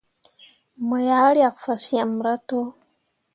Mo yah riak fasyemme rah to.